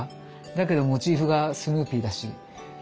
だけどモチーフがスヌーピーだし。